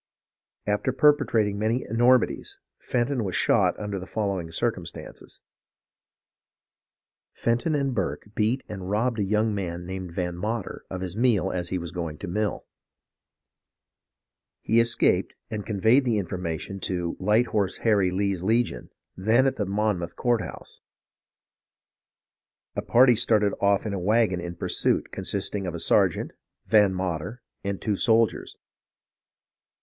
"After perpetrating many enormities, Fenton was shot under the following circumstances : Fenton and Burke beat and robbed a young man named Van Mater of his meal as he was going to mill. He escaped, and conveyed the infor mation to [Light Horse Harry] Lee's Legion, then at the [Monmouth] courthouse. A party started off in a wagon in pursuit, consisting of a sergeant, Van Mater, and two soldiers.